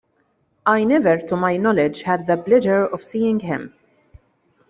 I never, to my knowledge, had the pleasure of seeing him.